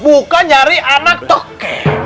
bukan nyari anak toke